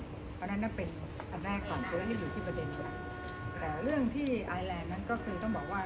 เพราะฉะนั้นน่าเป็นอันแรกของเจ้าที่ดูที่ประเด็นกว่าแต่เรื่องที่นั้นก็คือต้องบอกว่า